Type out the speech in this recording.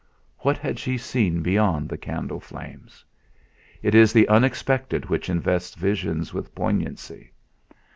What had she seen beyond the candle flames? It is the unexpected which invests visions with poignancy.